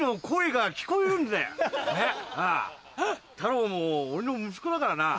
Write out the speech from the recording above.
タロウも俺の息子だからな。